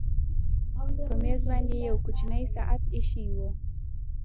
په مېز باندې یو کوچنی ساعت ایښی و